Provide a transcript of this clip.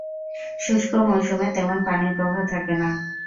শুষ্ক মৌসুমে তেমন পানির প্রবাহ থাকে না।